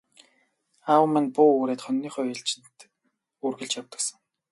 Аав маань буу үүрээд хониныхоо ээлжид үргэлж явдаг сан.